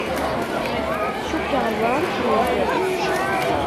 Cukkeɣ ẓran-kem-d.